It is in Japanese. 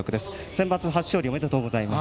センバツ初勝利おめでとうございます。